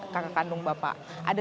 kakak kandung bapak ada